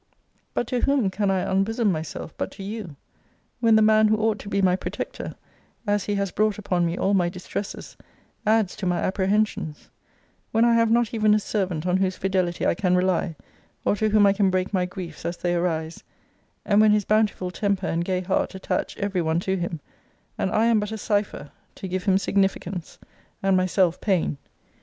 But to whom can I unbosom myself but to you: when the man who ought to be my protector, as he has brought upon me all my distresses, adds to my apprehensions; when I have not even a servant on whose fidelity I can rely, or to whom I can break my griefs as they arise; and when his bountiful temper and gay heart attach every one to him; and I am but a cipher, to give him significance, and myself pain!